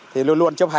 thì luôn luôn chấp hành